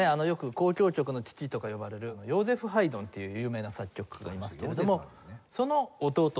よく交響曲の父とか呼ばれるヨーゼフ・ハイドンっていう有名な作曲家がいますけれどもその弟。